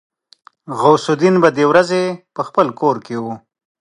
غوث الدين به د ورځې په خپل کور کې و.